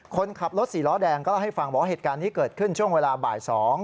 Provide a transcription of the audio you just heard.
คนขับรถสี่ล้อแดงก็เล่าให้ฟังบอกว่าเหตุการณ์นี้เกิดขึ้นช่วงเวลาบ่าย๒